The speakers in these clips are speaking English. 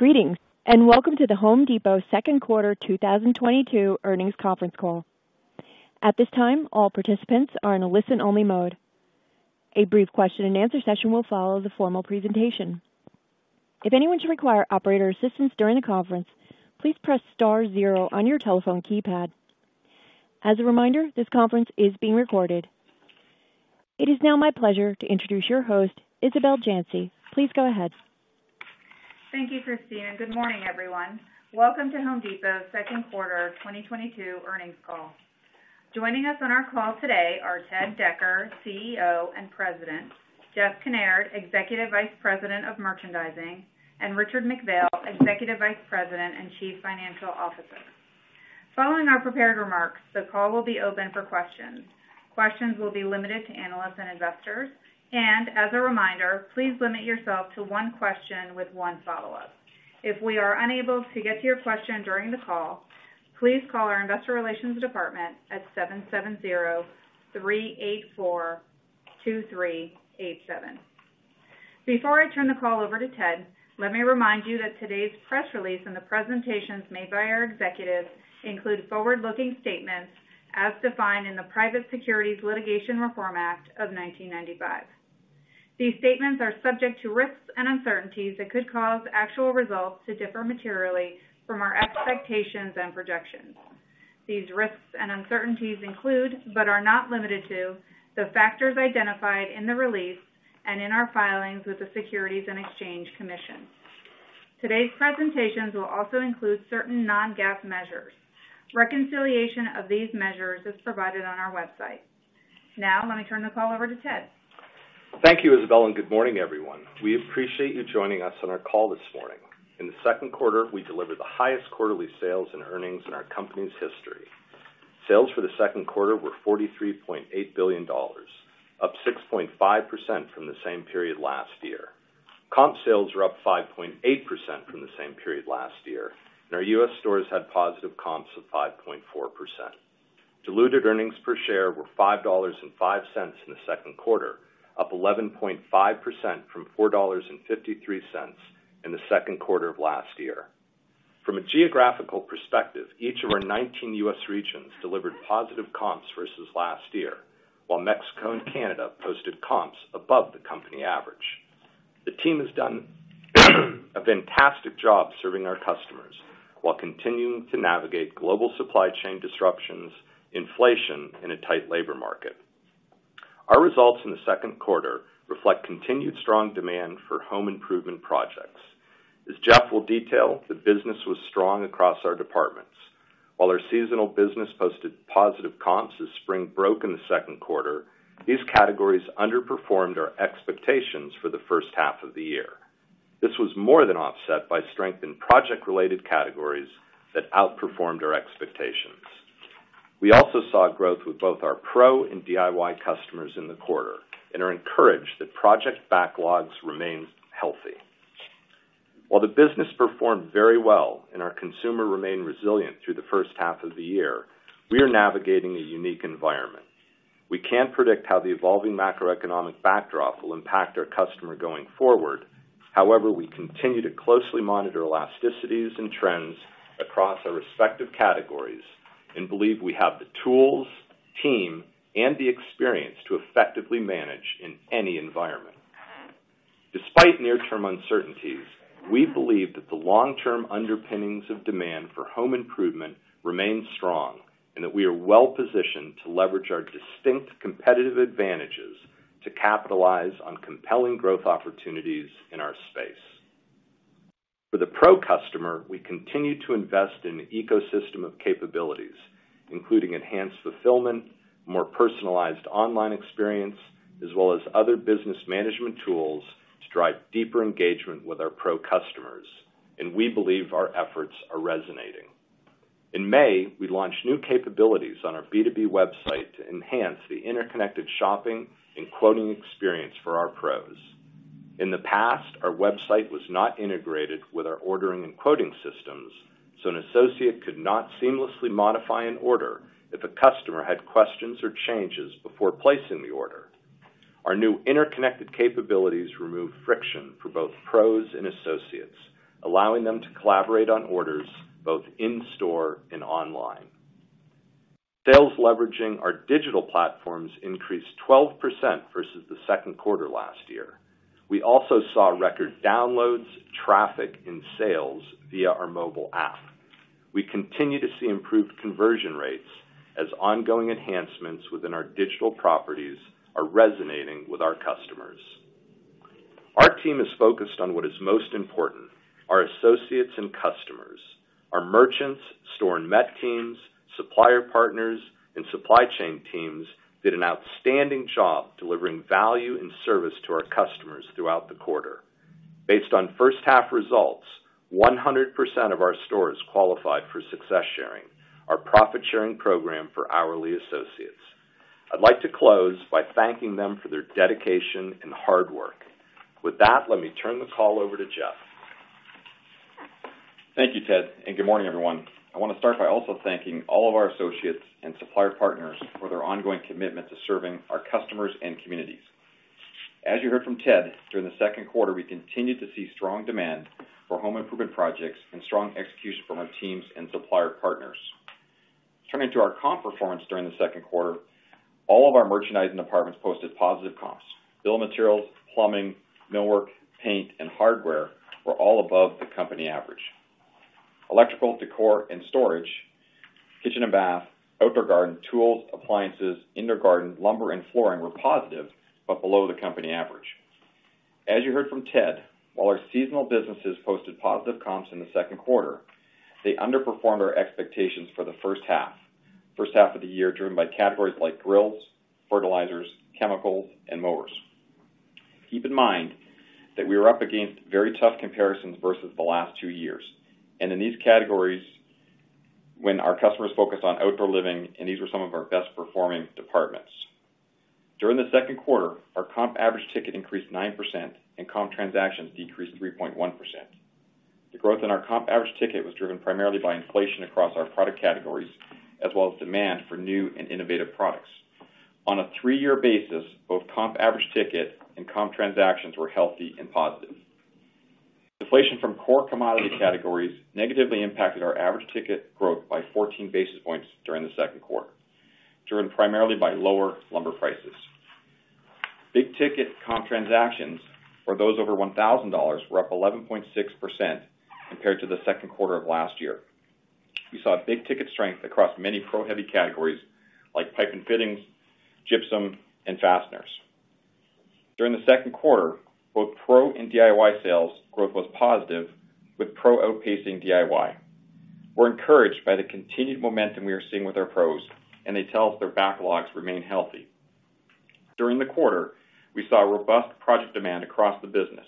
Greetings, and welcome to The Home Depot Q2, 2022 Earnings Conference Call. At this time, all participants are in a listen-only mode. A brief question-and-answer session will follow the formal presentation. If anyone should require operator assistance during the conference, please press star zero on your telephone keypad. As a reminder, this conference is being recorded. It is now my pleasure to introduce your host, Isabel Janci. Please go ahead. Thank you, Christine. Good morning, everyone. Welcome to The Home Depot Q2, 2022 earnings call. Joining us on our call today are Ted Decker, CEO and President, Jeff Kinnaird, Executive Vice President of Merchandising, and Richard McPhail, Executive Vice President and Chief Financial Officer. Following our prepared remarks, the call will be open for questions. Questions will be limited to analysts and investors. As a reminder, please limit yourself to one question with one follow-up. If we are unable to get to your question during the call, please call our investor relations department at 770-384-2387. Before I turn the call over to Ted, let me remind you that today's press release and the presentations made by our executives include forward-looking statements as defined in the Private Securities Litigation Reform Act of 1995. These statements are subject to risks and uncertainties that could cause actual results to differ materially from our expectations and projections. These risks and uncertainties include, but are not limited to, the factors identified in the release and in our filings with the Securities and Exchange Commission. Today's presentations will also include certain non-GAAP measures. Reconciliation of these measures is provided on our website. Now, let me turn the call over to Ted. Thank you, Isabel, and good morning, everyone. We appreciate you joining us on our call this morning. In the Q2, we delivered the highest quarterly sales and earnings in our company's history. Sales for the Q2 were $43.8 billion, up 6.5% from the same period last year. Comp sales were up 5.8% from the same period last year, and our U.S. stores had positive comps of 5.4%. Diluted earnings per share were $5.05 in the Q2, up 11.5% from $4.53 in the Q2 of last year. From a geographical perspective, each of our 19 U.S. regions delivered positive comps versus last year, while Mexico and Canada posted comps above the company average. The team has done a fantastic job serving our customers while continuing to navigate global supply chain disruptions, inflation in a tight labor market. Our results in the Q2 reflect continued strong demand for home improvement projects. As Jeff will detail, the business was strong across our departments. While our seasonal business posted positive comps as spring broke in the Q2, these categories underperformed our expectations for the H1 of the year. This was more than offset by strength in project-related categories that outperformed our expectations. We also saw growth with both our Pro and DIY customers in the quarter and are encouraged that project backlogs remain healthy. While the business performed very well and our consumer remained resilient through the H1 of the year, we are navigating a unique environment. We can't predict how the evolving macroeconomic backdrop will impact our customer going forward. However, we continue to closely monitor elasticities and trends across our respective categories and believe we have the tools, team, and the experience to effectively manage in any environment. Despite near-term uncertainties, we believe that the long-term underpinnings of demand for home improvement remain strong, and that we are well-positioned to leverage our distinct competitive advantages to capitalize on compelling growth opportunities in our space. For the Pro customer, we continue to invest in an ecosystem of capabilities, including enhanced fulfilment, more personalized online experience, as well as other business management tools to drive deeper engagement with our Pro customers, and we believe our efforts are resonating. In May, we launched new capabilities on our B2B website to enhance the interconnected shopping and quoting experience for our Pros. In the past, our website was not integrated with our ordering and quoting systems, so an associate could not seamlessly modify an order if a customer had questions or changes before placing the order. Our new interconnected capabilities remove friction for both Pros and associates, allowing them to collaborate on orders both in store and online. Sales leveraging our digital platforms increased 12% versus the Q2 last year. We also saw record downloads, traffic, and sales via our mobile app. We continue to see improved conversion rates as ongoing enhancements within our digital properties are resonating with our customers. Our team is focused on what is most important, our associates and customers. Our merchants, store and met teams, supplier partners, and supply chain teams did an outstanding job delivering value and service to our customers throughout the quarter. Based on H1 results, 100% of our stores qualified for Success Sharing, our profit-sharing program for hourly associates. I'd like to close by thanking them for their dedication and hard work. With that, let me turn the call over to Jeff. Thank you, Ted, and good morning, everyone. I wanna start by also thanking all of our associates and supplier partners for their ongoing commitment to serving our customers and communities. As you heard from Ted, during the Q2, we continued to see strong demand for home improvement projects and strong execution from our teams and supplier partners. Turning to our comp performance during the Q2, all of our merchandising departments posted positive comps. Building materials, plumbing, millwork, paint, and hardware were all above the company average. Electrical, decor, and storage, kitchen and bath, outdoor garden tools, appliances, indoor garden, lumber, and flooring were positive, but below the company average. As you heard from Ted, while our seasonal businesses posted positive comps in the Q2, they underperformed our expectations for the H1 of the year, driven by categories like grills, fertilizers, chemicals, and mowers. Keep in mind that we were up against very tough comparisons versus the last two years. In these categories when our customers focus on outdoor living, and these were some of our best-performing departments. During the Q2, our comp average ticket increased 9% and comp transactions decreased 3.1%. The growth in our comp average ticket was driven primarily by inflation across our product categories, as well as demand for new and innovative products. On a three-year basis, both comp average ticket and comp transactions were healthy and positive. Inflation from core commodity categories negatively impacted our average ticket growth by 14 basis points during the Q2, driven primarily by lower lumber prices. Big-ticket comp transactions, or those over $1,000, were up 11.6% compared to the Q2 of last year. We saw big ticket strength across many pro-heavy categories like pipe and fittings, gypsum, and fasteners. During the Q2, both Pro and DIY sales growth was positive, with Pro outpacing DIY. We're encouraged by the continued momentum we are seeing with our Pros, and they tell us their backlogs remain healthy. During the quarter, we saw a robust project demand across the business.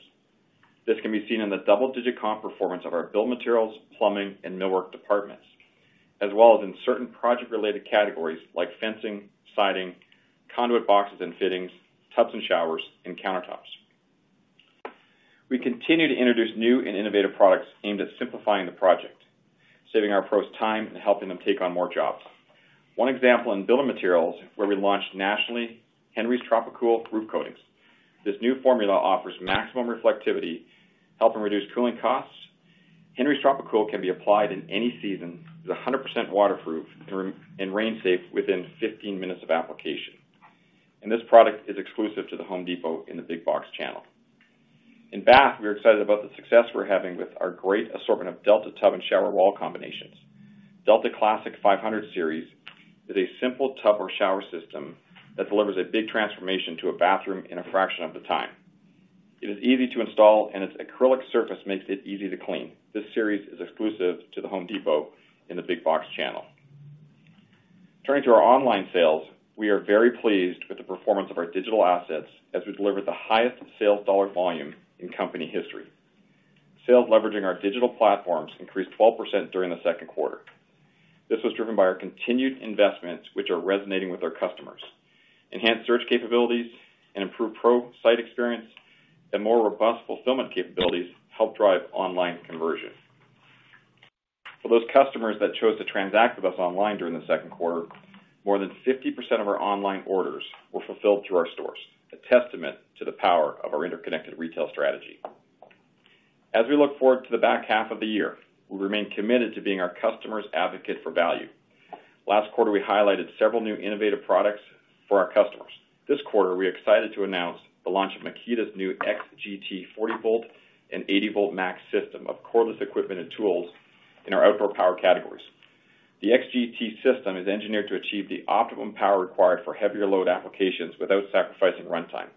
This can be seen in the double-digit comp performance of our building materials, plumbing, and millwork departments, as well as in certain project-related categories like fencing, siding, conduit boxes and fittings, tubs and showers, and countertops. We continue to introduce new and innovative products aimed at simplifying the project, saving our pros time and helping them take on more jobs. One example in building materials, where we launched nationally Henry Tropi-Cool Roof Coatings. This new formula offers maximum reflectivity, helping reduce cooling costs. Henry Tropi-Cool can be applied in any season, is 100% waterproof, and rain safe within 15 minutes of application. This product is exclusive to The Home Depot in the big box channel. In bath, we are excited about the success we're having with our great assortment of Delta tub and shower wall combinations. Delta Classic 500 series is a simple tub or shower system that delivers a big transformation to a bathroom in a fraction of the time. It is easy to install, and its acrylic surface makes it easy to clean. This series is exclusive to The Home Depot in the big box channel. Turning to our online sales, we are very pleased with the performance of our digital assets as we delivered the highest sales dollar volume in company history. Sales leveraging our digital platforms increased 12% during the Q2. This was driven by our continued investments, which are resonating with our customers. Enhanced search capabilities and improved pro site experience and more robust fulfillment capabilities help drive online conversion. For those customers that chose to transact with us online during the Q2, more than 50% of our online orders were fulfilled through our stores, a testament to the power of our interconnected retail strategy. As we look forward to the back half of the year, we'll remain committed to being our customer's advocate for value. Last quarter, we highlighted several new innovative products for our customers. This quarter, we're excited to announce the launch of Makita's new XGT 40V and 80V Max system of cordless equipment and tools in our outdoor power categories. The XGT system is engineered to achieve the optimum power required for heavier load applications without sacrificing runtime,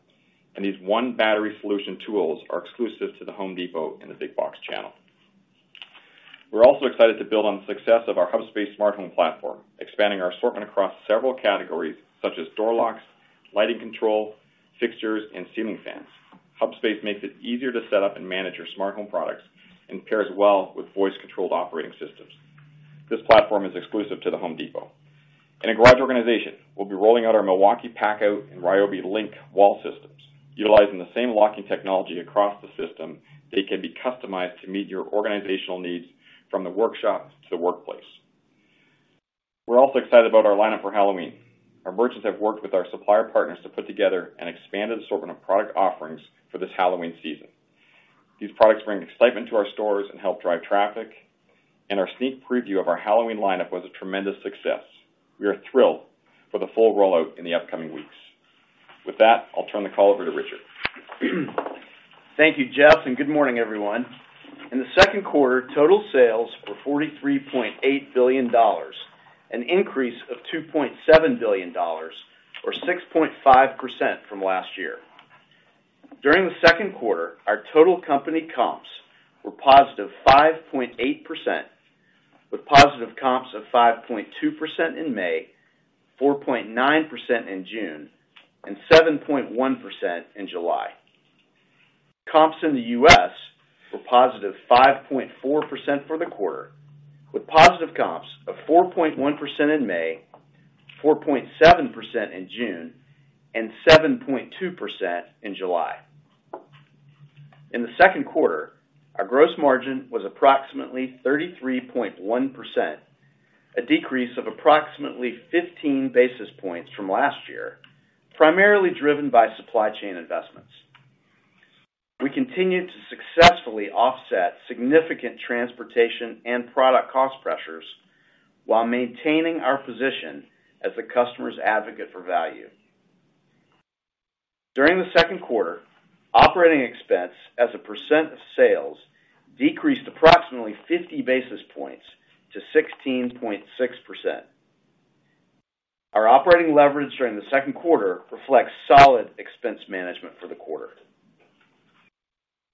and these one battery solution tools are exclusive to The Home Depot in the big box channel. We're also excited to build on the success of our Hubspace smart home platform, expanding our assortment across several categories, such as door locks, lighting control, fixtures, and ceiling fans. Hubspace makes it easier to set up and manage your smart home products and pairs well with voice-controlled operating systems. This platform is exclusive to The Home Depot. In a garage organization, we'll be rolling out our Milwaukee PACKOUT and RYOBI LINK wall systems. Utilizing the same locking technology across the system, they can be customized to meet your organizational needs from the workshop to the workplace. We're also excited about our line-up for Halloween. Our merchants have worked with our supplier partners to put together an expanded assortment of product offerings for this Halloween season. These products bring excitement to our stores and help drive traffic, and our sneak preview of our Halloween line-up was a tremendous success. We are thrilled for the full rollout in the upcoming weeks. With that, I'll turn the call over to Richard. Thank you, Jeff, and good morning, everyone. In the Q2, total sales were $43.8 billion, an increase of $2.7 billion or 6.5% from last year. During the Q2, our total company comps were positive 5.8%, with positive comps of 5.2% in May, 4.9% in June, and 7.1% in July. Comps in the U.S. were positive 5.4% for the quarter, with positive comps of 4.1% in May, 4.7% in June and 7.2% in July. In the Q2, our gross margin was approximately 33.1%, a decrease of approximately 15 basis points from last year, primarily driven by supply chain investments. We continued to successfully offset significant transportation and product cost pressures while maintaining our position as a customer's advocate for value. During the Q2, operating expense as a percent of sales decreased approximately 50 basis points to 16.6%. Our operating leverage during the Q2 reflects solid expense management for the quarter.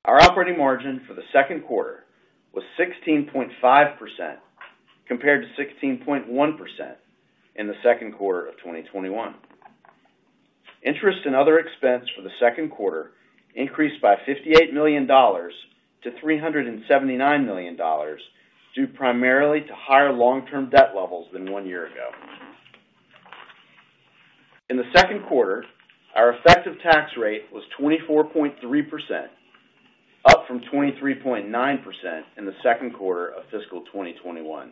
Our operating margin for the Q2 was 16.5% compared to 16.1% in the Q2 of 2021. Interest and other expense for the Q2 increased by $58 million to $379 million, due primarily to higher long-term debt levels than one year ago. In the Q2, our effective tax rate was 24.3%, up from 23.9% in the Q2 of fiscal 2021.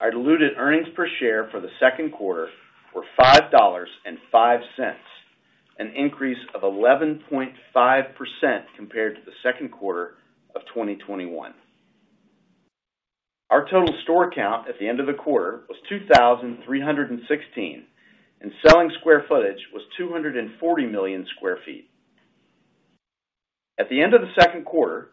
Our diluted earnings per share for the Q2 were $5.05, an increase of 11.5% compared to the Q2 of 2021. Our total store count at the end of the quarter was 2,316, and selling square footage was 240 million sq ft. At the end of the Q2,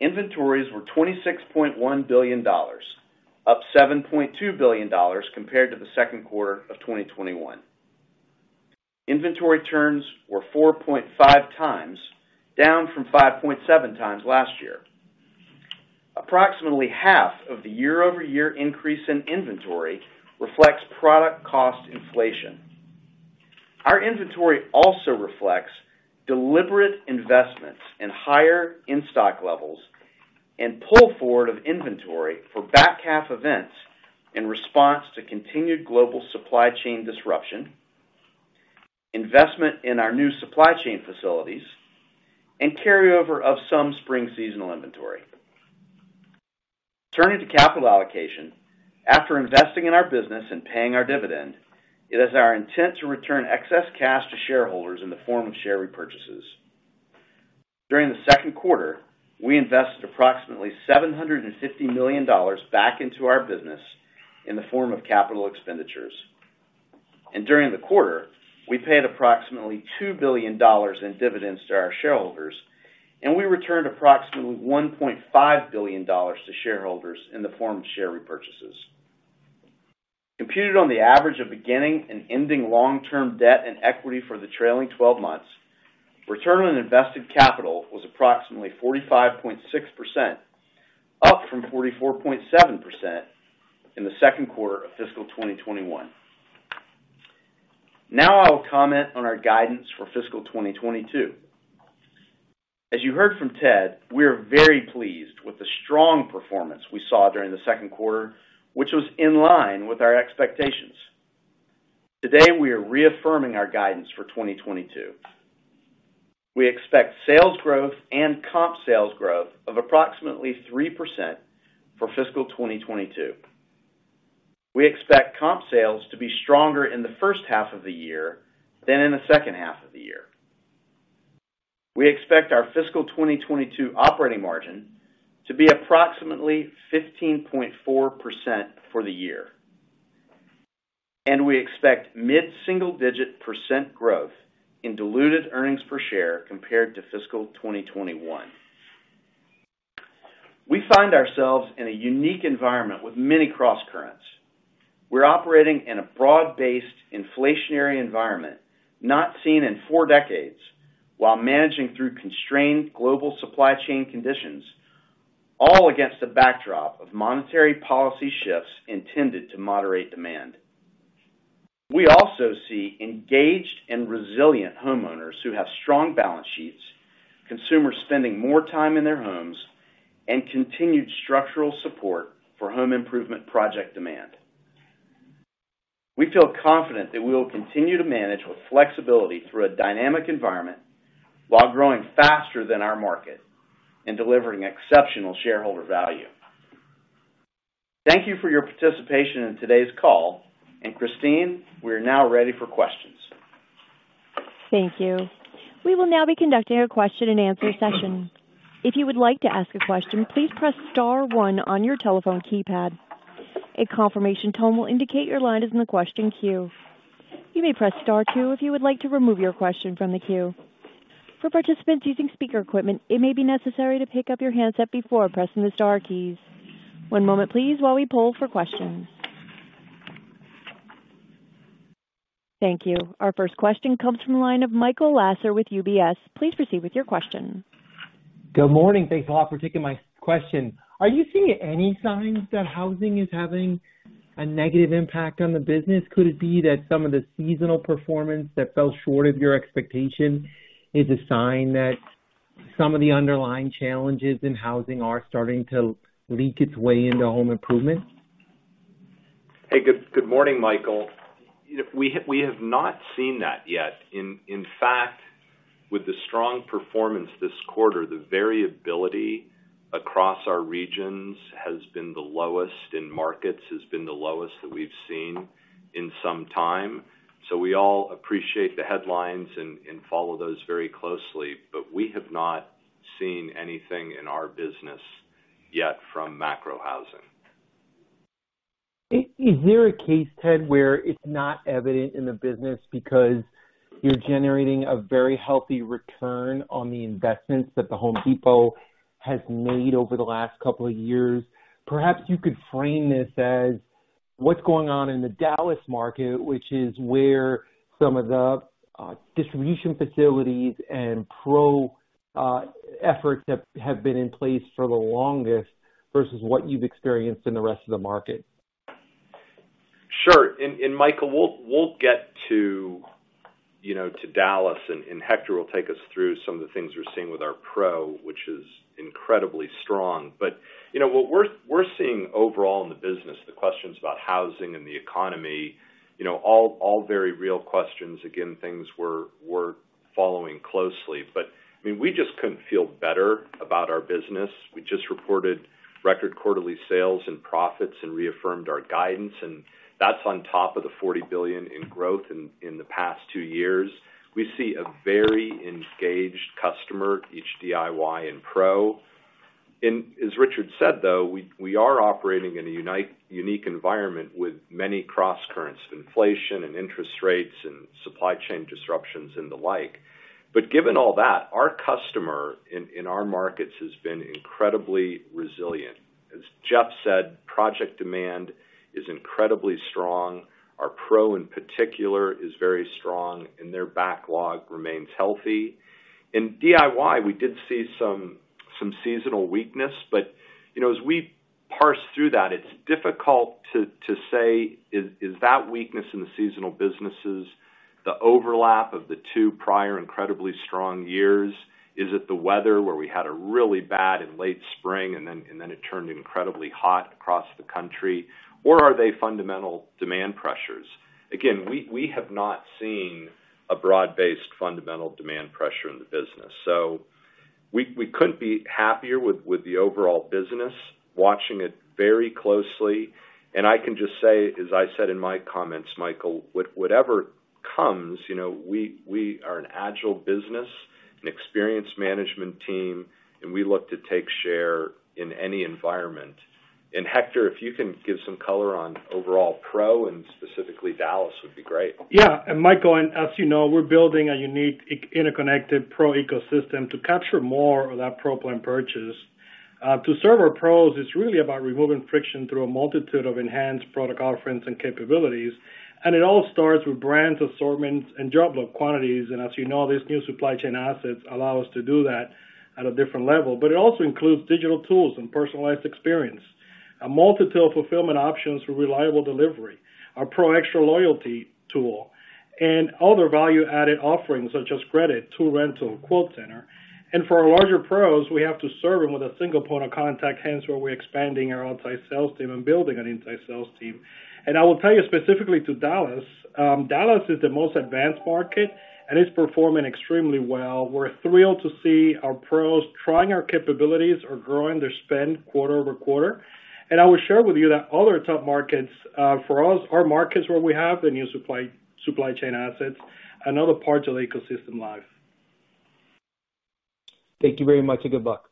inventories were $26.1 billion, up $7.2 billion compared to the Q2 of 2021. Inventory turns were 4.5x, down from 5.7x year. Approximately half of the year-over-year increase in inventory reflects product cost inflation. Our inventory also reflects deliberate investments in higher in-stock levels and pull forward of inventory for back half events in response to continued global supply chain disruption, investment in our new supply chain facilities, and carryover of some spring seasonal inventory. Turning to capital allocation, after investing in our business and paying our dividend, it is our intent to return excess cash to shareholders in the form of share repurchases. During the Q2, we invested approximately $750 million back into our business in the form of capital expenditures. During the quarter, we paid approximately $2 billion in dividends to our shareholders, and we returned approximately $1.5 billion to shareholders in the form of share repurchases. Computed on the average of beginning and ending long-term debt and equity for the Trailing Twelve Months, return on invested capital was approximately 45.6%, up from 44.7% in the Q2 of fiscal 2021. Now I'll comment on our guidance for fiscal 2022. As you heard from Ted, we are very pleased with the strong performance we saw during the Q2, which was in line with our expectations. Today, we are reaffirming our guidance for 2022. We expect sales growth and comp sales growth of approximately 3% for fiscal 2022. We expect comp sales to be stronger in the H1 of the year than in the H2 of the year. We expect our fiscal 2022 operating margin to be approximately 15.4% for the year. We expect mid-single-digit % growth in diluted earnings per share compared to fiscal 2021. We find ourselves in a unique environment with many crosscurrents. We're operating in a broad-based inflationary environment not seen in four decades while managing through constrained global supply chain conditions, all against the backdrop of monetary policy shifts intended to moderate demand. We also see engaged and resilient homeowners who have strong balance sheets, consumers spending more time in their homes and continued structural support for home improvement project demand. We feel confident that we will continue to manage with flexibility through a dynamic environment while growing faster than our market and delivering exceptional shareholder value. Thank you for your participation in today's call, and Christine, we are now ready for questions. Thank you. We will now be conducting a question-and-answer session. If you would like to ask a question, please press star one on your telephone keypad. A confirmation tone will indicate your line is in the question queue. You may press star two if you would like to remove your question from the queue. For participants using speaker equipment, it may be necessary to pick up your handset before pressing the star keys. One moment please while we poll for questions. Thank you. Our first question comes from the line of Michael Lasser with UBS. Please proceed with your question. Good morning. Thanks a lot for taking my question. Are you seeing any signs that housing is having a negative impact on the business? Could it be that some of the seasonal performance that fell short of your expectation is a sign that some of the underlying challenges in housing are starting to leak its way into home improvement? Hey, good morning, Michael. You know, we have not seen that yet. In fact, with the strong performance this quarter, the variability across our regions has been the lowest in markets that we've seen in some time. We all appreciate the headlines and follow those very closely, but we have not seen anything in our business yet from macro housing. Is there a case, Ted, where it's not evident in the business because you're generating a very healthy return on the investments that The Home Depot has made over the last couple of years? Perhaps you could frame this as what's going on in the Dallas market, which is where some of the distribution facilities and Pro efforts have been in place for the longest, versus what you've experienced in the rest of the market? Sure. Michael, we'll get to, to Dallas and Hector will take us through some of the things we're seeing with our Pro, which is incredibly strong. You know, what we're seeing overall in the business, the questions about housing and the economy, you know, all very real questions. Again, things we're following closely. I mean, we just couldn't feel better about our business. We just reported record quarterly sales and profits and reaffirmed our guidance, and that's on top of the $40 billion in growth in the past two years. We see a very engaged customer, each DIY and Pro. As Richard said, though, we are operating in a unique environment with many crosscurrents, inflation and interest rates and supply chain disruptions and the like. Given all that, our customer in our markets has been incredibly resilient. As Jeff said, project demand is incredibly strong. Our Pro, in particular, is very strong, and their backlog remains healthy. In DIY, we did see some seasonal weakness, but you know, as we parse through that, it's difficult to say is that weakness in the seasonal businesses the overlap of the two prior incredibly strong years. Is it the weather where we had a really bad and late spring and then it turned incredibly hot across the country? Or are they fundamental demand pressures? Again, we have not seen a broad-based fundamental demand pressure in the business. We couldn't be happier with the overall business, watching it very closely. I can just say, as I said in my comments, Michael, whatever comes, you know, we are an agile business, an experienced management team, and we look to take share in any environment. Hector, if you can give some color on overall Pro and specifically Dallas would be great. Yeah, Michael, as you know, we're building a unique interconnected Pro ecosystem to capture more of that Pro plan purchase. To serve our Pros is really about removing friction through a multitude of enhanced product offerings and capabilities. It all starts with brands, assortments, and job lot quantities. As you know, these new supply chain assets allow us to do that at a different level. It also includes digital tools and personalized experience, a multitude of fulfilment options for reliable delivery, our Pro Xtra Loyalty tool, and other value-added offerings such as credit, tool rental, QuoteCenter. For our larger Pros, we have to serve them with a single point of contact, hence why we're expanding our inside sales team and building an inside sales team. I will tell you specifically to Dallas. Dallas is the most advanced market, and it's performing extremely well. We're thrilled to see our pros trying our capabilities are growing their spend quarter-over-quarter. I will share with you that other top markets for us are markets where we have the new supply chain assets and other parts of the ecosystem live. Thank you very much, and good luck.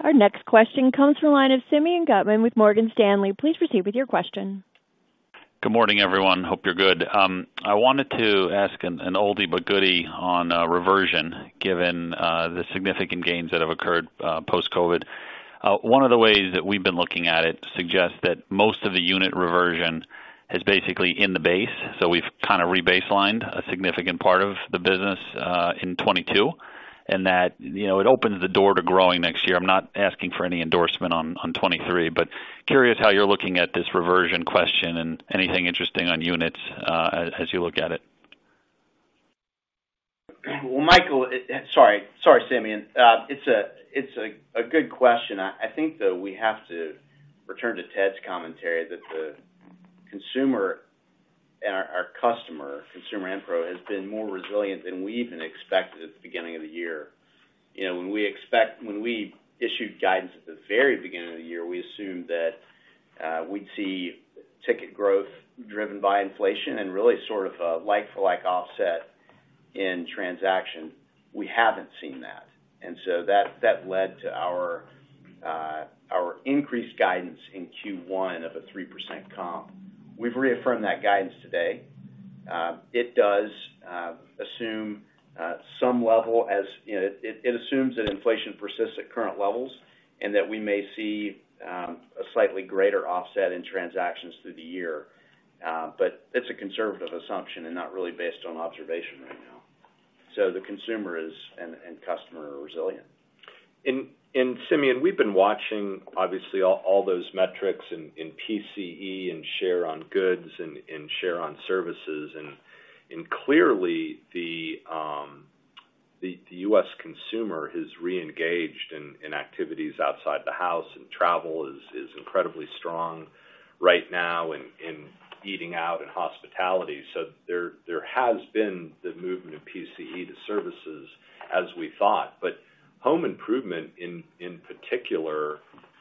Our next question comes from the line of Simeon Gutman with Morgan Stanley. Please proceed with your question. Good morning, everyone. Hope you're good. I wanted to ask an oldie but goodie on reversion, given the significant gains that have occurred post-COVID. One of the ways that we've been looking at it suggests that most of the unit reversion is basically in the base. We've re-baselined a significant part of the business in 2022, and that, you know, it opens the door to growing next year. I'm not asking for any endorsement on 2023, but curious how you're looking at this reversion question and anything interesting on units, as you look at it. Well, Michael. Sorry, Simeon. It's a good question. I think, though, we have to return to Ted's commentary that the consumer and our customer, consumer and Pro, has been more resilient than we even expected at the beginning of the year. We expect that, you know, when we issued guidance at the very beginning of the year, we assumed that we'd see ticket growth driven by inflation and really sort of a like-for-like offset in transactions. We haven't seen that. That led to our increased guidance in Q1 of a 3% comp. We've reaffirmed that guidance today. It does assume some level. It assumes that inflation persists at current levels and that we may see a slightly greater offset in transactions through the year. It's a conservative assumption and not really based on observation right now. The consumer is and customer are resilient. Simeon, we've been watching obviously all those metrics in PCE and share on goods and share on services. Clearly, the U.S. consumer has reengaged in activities outside the house, and travel is incredibly strong right now in eating out and hospitality. There has been the movement of PCE to services as we thought. Home improvement, in particular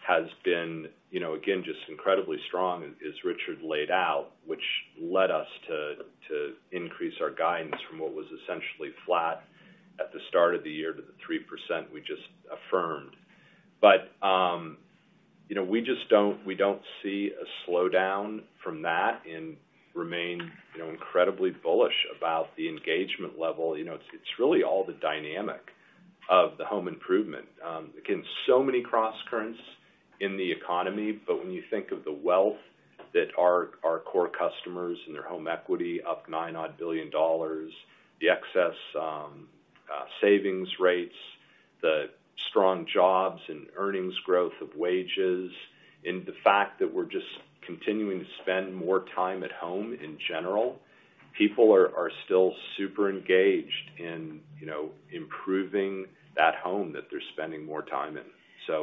has been, you know, again, just incredibly strong as Richard laid out, which led us to increase our guidance from what was essentially flat at the start of the year to the 3% we just affirmed. You know, we just don't see a slowdown from that and remain, you know, incredibly bullish about the engagement level. You know, it's really all the dynamic of the home improvement. Again, so many crosscurrents in the economy, but when you think of the wealth that our core customers and their home equity up $9 billion, the excess savings rates, the strong jobs and earnings growth of wages, and the fact that we're just continuing to spend more time at home in general, people are still super engaged in, you know, improving that home that they're spending more time in.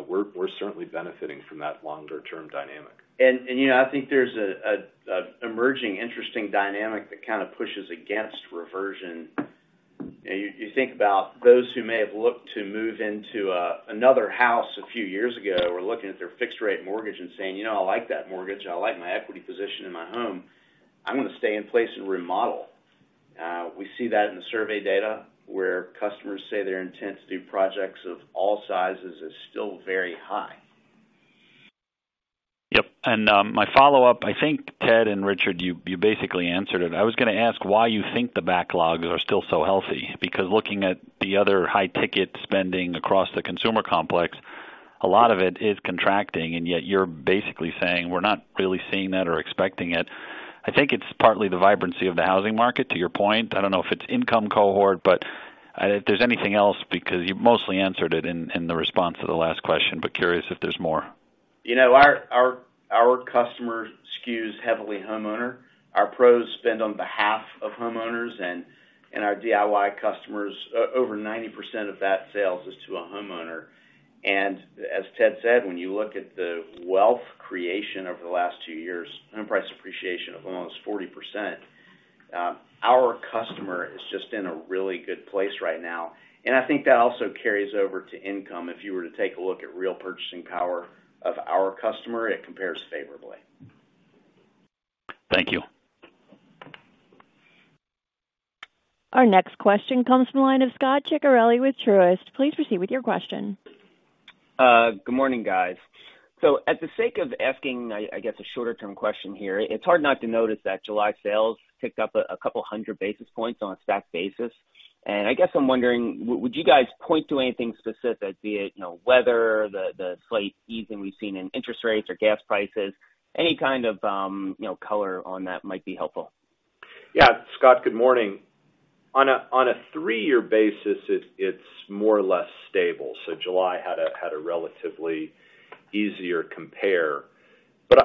We're certainly benefiting from that longer term dynamic. You know, I think there's an emerging interesting dynamic that kind of pushes against reversion. You think about those who may have looked to move into another house a few years ago or looking at their fixed rate mortgage and saying, "You know, I like that mortgage. I like my equity position in my home. I'm gonna stay in place and remodel." We see that in the survey data where customers say their intent to do projects of all sizes is still very high. Yep. My follow-up, I think, Ted and Richard, you basically answered it. I was gonna ask why you think the backlogs are still so healthy because looking at the other high-ticket spending across the consumer complex, a lot of it is contracting, and yet you're basically saying, "We're not really seeing that or expecting it." I think it's partly the vibrancy of the housing market, to your point. I don't know if it's income cohort, but if there's anything else, because you mostly answered it in the response to the last question, but curious if there's more. You know, our customer skews heavily homeowner. Our Pros spend on behalf of homeowners and our DIY customers. Over 90% of that sales is to a homeowner. As Ted said, when you look at the wealth creation over the last two years, home price appreciation of almost 40%, our customer is just in a really good place right now. I think that also carries over to income. If you were to take a look at real purchasing power of our customer, it compares favorably. Thank you. Our next question comes from the line of Scot Ciccarelli with Truist. Please proceed with your question. Good morning, guys. For the sake of asking, I guess a shorter-term question here, it's hard not to notice that July sales ticked up 200 basis points on a stacked basis. I guess I'm wondering, would you guys point to anything specific, be it, you know, whether, the slight easing we've seen in interest rates or gas prices? Any color on that might be helpful. Yeah. Scott, good morning. On a three-year basis, it's more or less stable, so July had a relatively easier compare.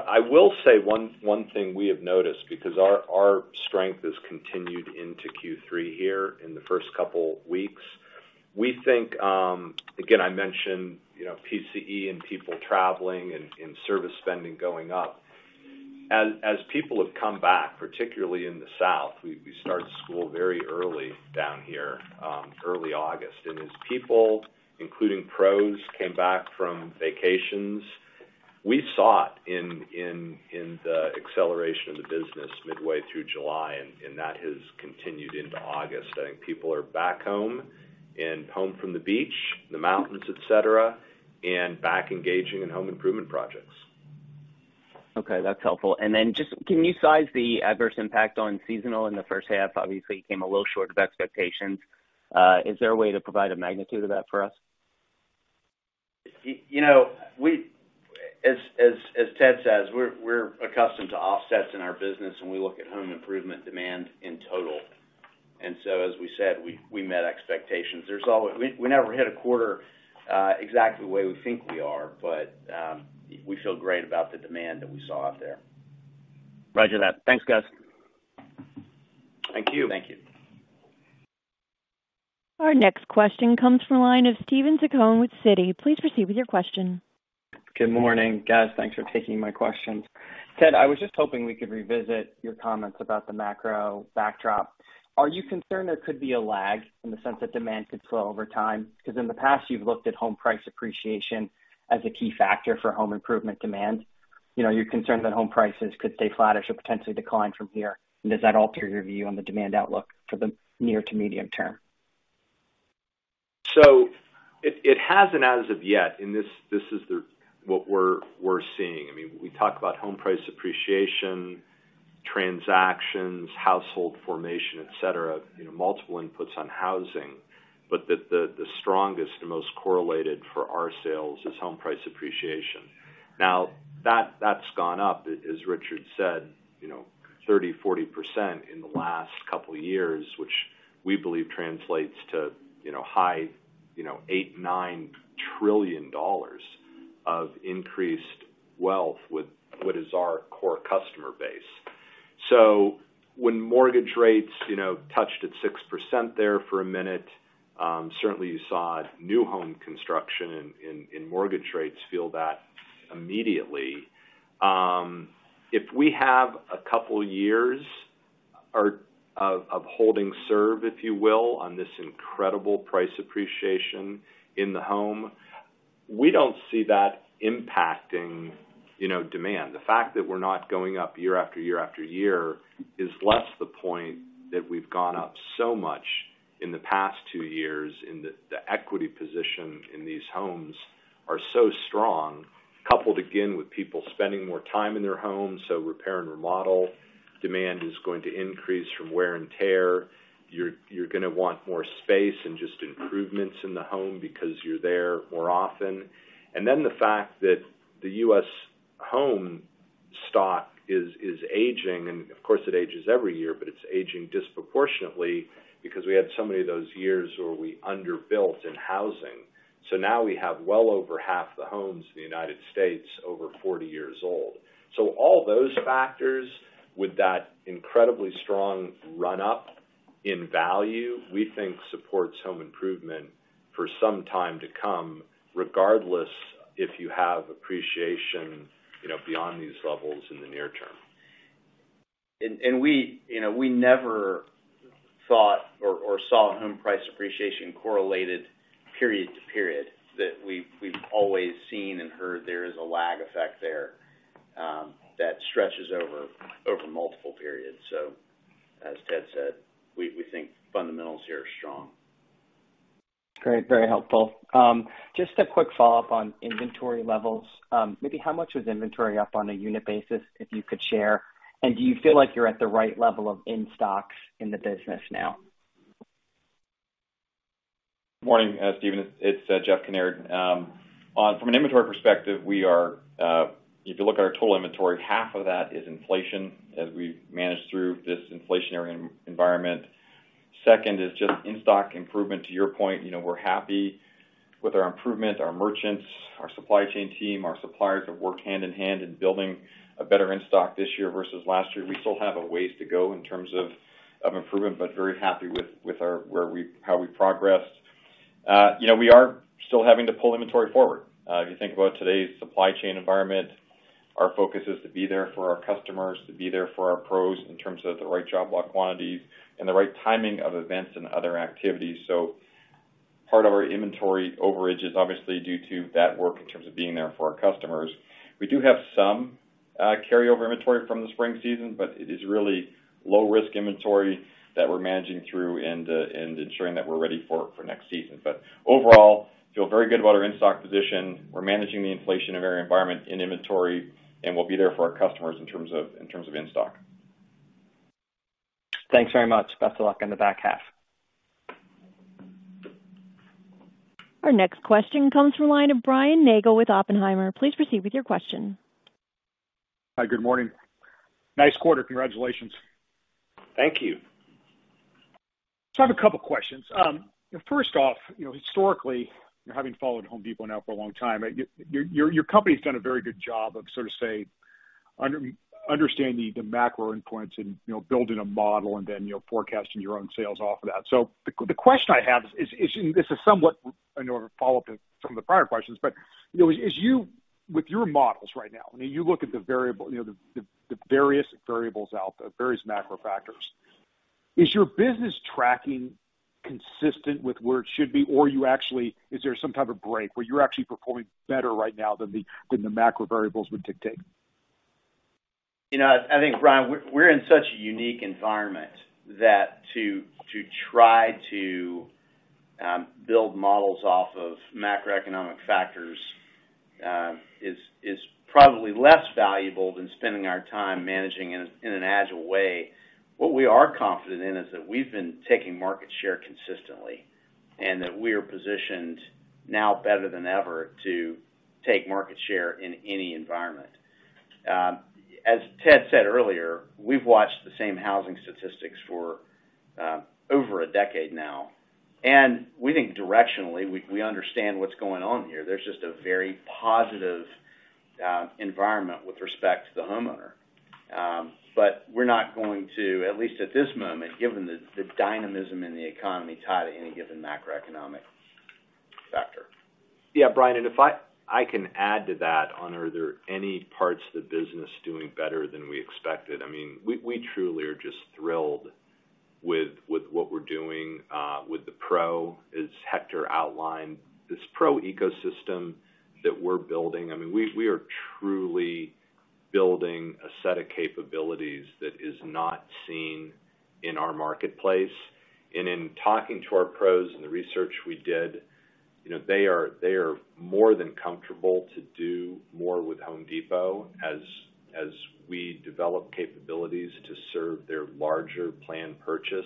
I will say one thing we have noticed because our strength has continued into Q3 here in the first couple weeks. We think, again, I mentioned, you know, PCE and people traveling and service spending going up. As people have come back, particularly in the South, we start school very early down here, early August. As people, including Pros, came back from vacations, we saw it in the acceleration of the business midway through July, and that has continued into August. I think people are back home and from the beach, the mountains, et cetera, and back engaging in home improvement projects. Okay, that's helpful. Just can you size the adverse impact on seasonal in the H1? Obviously, you came a little short of expectations. Is there a way to provide a magnitude of that for us? You know, as Ted says, we're accustomed to offsets in our business, and we look at home improvement demand in total. As we said, we met expectations. We never hit a quarter exactly the way we think we are, but we feel great about the demand that we saw out there. Roger that. Thanks, guys. Thank you. Thank you. Our next question comes from the line of Steven Zaccone with Citi. Please proceed with your question. Good morning, guys. Thanks for taking my questions. Ted, I was just hoping we could revisit your comments about the macro backdrop. Are you concerned there could be a lag in the sense that demand could slow over time? Because in the past you've looked at home price appreciation as a key factor for home improvement demand. You know, are you concerned that home prices could stay flat or potentially decline from here? Does that alter your view on the demand outlook for the near to medium term? It hasn't as of yet, this is what we're seeing. I mean, we talk about home price appreciation, transactions, household formation, et cetera, you know, multiple inputs on housing, but the strongest and most correlated for our sales is home price appreciation. Now that's gone up, as Richard said, you know, 30%, 40% in the last couple of years, which we believe translates to, you know, high $8, $9 trillion of increased wealth with what is our core customer base. When mortgage rates, you know, touched 6% there for a minute, certainly you saw new home construction and mortgage rates feel that immediately. If we have a couple years of holding serve, if you will, on this incredible price appreciation in the home, we don't see that impacting, you know, demand. The fact that we're not going up year after year after year is less the point that we've gone up so much in the past two years, and the equity position in these homes are so strong, coupled again with people spending more time in their homes. Repair and remodel demand is going to increase from wear and tear. You're gonna want more space and just improvements in the home because you're there more often. The fact that the U.S. home stock is aging, and of course it ages every year, but it's aging disproportionately because we had so many of those years where we underbuilt in housing. Now we have well over half the homes in the United States over 40 years old. All those factors with that incredibly strong run-up in value, we think supports home improvement for some time to come, regardless if you have appreciation, you know, beyond these levels in the near term. We, you know, we never thought or saw home price appreciation correlated period to period that we've always seen and heard there is a lag effect there that stretches over multiple periods. As Ted said, we think fundamentals here are strong. Great. Very helpful. Just a quick follow-up on inventory levels. Maybe how much was inventory up on a unit basis, if you could share? And do you feel like you're at the right level of in-stocks in the business now? Morning, Steven, it's Jeff Kinnaird. From an inventory perspective, we are, if you look at our total inventory, half of that is inflation as we manage through this inflationary environment. Second is just in-stock improvement. To your point, you know, we're happy with our improvement. Our merchants, our supply chain team, our suppliers have worked hand-in-hand in building a better in-stock this year versus last year. We still have a ways to go in terms of improvement, but very happy with how we progressed. You know, we are still having to pull inventory forward. If you think about today's supply chain environment, our focus is to be there for our customers, to be there for our Pros in terms of the right job lot quantities and the right timing of events and other activities. Part of our inventory overage is obviously due to that work in terms of being there for our customers. We do have some carryover inventory from the spring season, but it is really low risk inventory that we're managing through and ensuring that we're ready for next season. Overall, feel very good about our in-stock position. We're managing the inflationary environment in inventory, and we'll be there for our customers in terms of in-stock. Thanks very much. Best of luck in the back half. Our next question comes from the line of Brian Nagel with Oppenheimer. Please proceed with your question. Hi. Good morning. Nice quarter. Congratulations. Thank you. I have a couple of questions. First off, you know, historically, having followed Home Depot now for a long time, your company's done a very good job of sort of, say, understanding the macro endpoints and, you know, building a model and then, you know, forecasting your own sales off of that. The question I have is. This is somewhat a follow-up to some of the prior questions but with your models right now, I mean, you look at the variable, you know, the various variables out, the various macro factors. Is your business tracking consistent with where it should be? Or is there some type of break where you're actually performing better right now than the macro variables would dictate? You know, I think, Brian, we're in such a unique environment that to try to build models off of macroeconomic factors is probably less valuable than spending our time managing in an agile way. What we are confident in is that we've been taking market share consistently, and that we are positioned now better than ever to take market share in any environment. As Ted said earlier, we've watched the same housing statistics for over a decade now, and we think directionally we understand what's going on here. There's just a very positive environment with respect to the homeowner. We're not going to, at least at this moment, given the dynamism in the economy, tie to any given macroeconomic factor. Yeah, Brian, if I can add to that. Are there any parts of the business doing better than we expected? I mean, we truly are just thrilled with what we're doing with the Pro, as Hector outlined. This Pro ecosystem that we're building, I mean, we are truly building a set of capabilities that is not seen in our marketplace. In talking to our Pros and the research we did, you know, they are more than comfortable to do more with Home Depot as we develop capabilities to serve their larger planned purchase.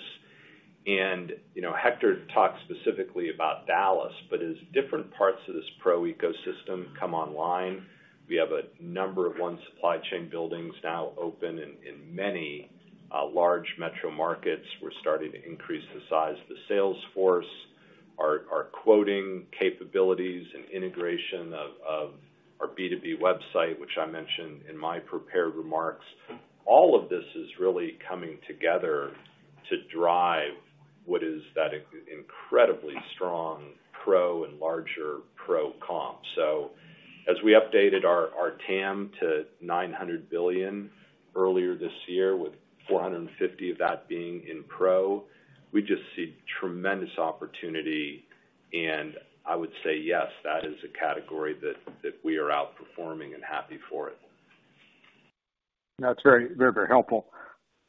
You know, Hector talked specifically about Dallas, but as different parts of this Pro ecosystem come online, we have a number of One Supply Chain buildings now open in many large metro markets. We're starting to increase the size of the sales force. Our quoting capabilities and integration of our B2B website, which I mentioned in my prepared remarks. All of this is really coming together to drive what is that incredibly strong Pro and larger Pro comp. As we updated our TAM to $900 billion earlier this year, with $450 billion of that being in Pro, we just see tremendous opportunity. I would say yes, that is a category that we are outperforming and happy for it. That's very helpful.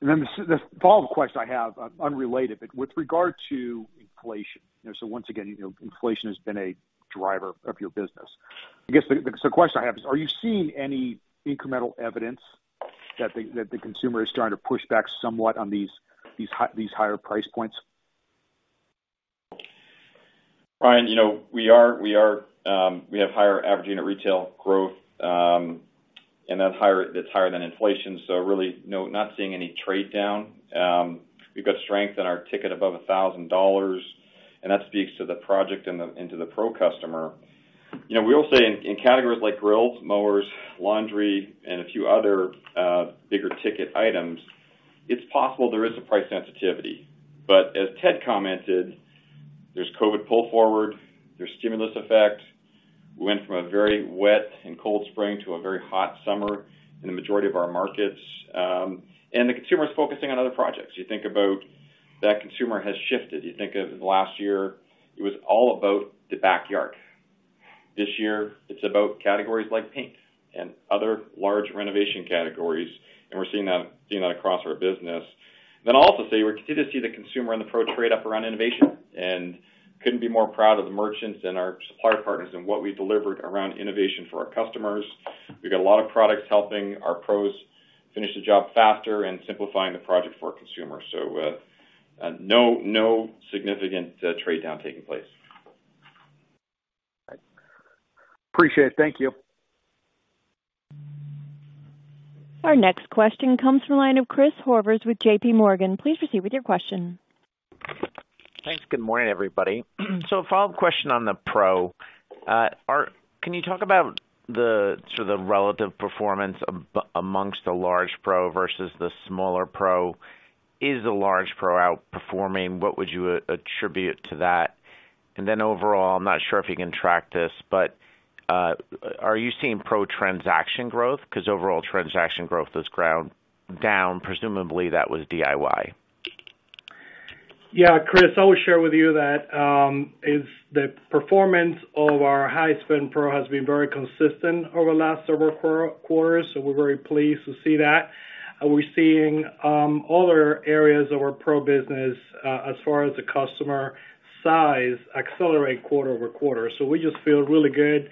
The follow-up question I have, unrelated, but with regard to inflation. You know, once again, you know, inflation has been a driver of your business. I guess the question I have is, are you seeing any incremental evidence that the consumer is starting to push back somewhat on these higher price points? Brian, you know, we are. We have higher average unit retail growth, and that's higher than inflation. Really, no, not seeing any trade down. We've got strength in our ticket above $1,000, and that speaks to the project and to the pro customer. You know, we will say in categories like grills, mowers, laundry, and a few other bigger ticket items, it's possible there is a price sensitivity. As Ted commented, there's COVID pull forward, there's stimulus effect. We went from a very wet and cold spring to a very hot summer in the majority of our markets, and the consumer is focusing on other projects. You think about that consumer has shifted. You think of last year, it was all about the backyard. This year, it's about categories like paint and other large renovation categories, and we're seeing that across our business. I'll also say we continue to see the consumer and the pro trade up around innovation, and couldn't be more proud of the merchants and our supplier partners and what we delivered around innovation for our customers. We got a lot of products helping our pros finish the job faster and simplifying the project for our consumers. No significant trade down taking place. All right. Appreciate it. Thank you. Our next question comes from the line of Chris Horvers with JPMorgan. Please proceed with your question. Thanks. Good morning, everybody. A follow-up question on the Pro. Can you talk about the sort of relative performance amongst the large Pro versus the smaller Pro? Is the large Pro outperforming? What would you attribute to that? Overall, I'm not sure if you can track this, but are you seeing Pro transaction growth? Because overall transaction growth was dragged down, presumably that was DIY. Yeah, Chris, I will share with you that is the performance of our high-spend Pro has been very consistent over the last several quarters. We're very pleased to see that. We're seeing other areas of our Pro business as far as the customer size accelerate quarter-over-quarter. We just feel really good.